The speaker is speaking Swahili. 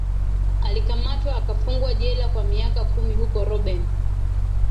alikamatwa akafungwa jela kwa miaka kumi huko robben